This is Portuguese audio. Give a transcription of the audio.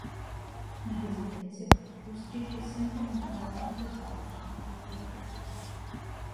Na residência, os Tites sempre montaram muitos atos com pouca repercussão.